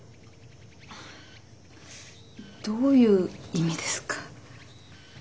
どういう意味ですか？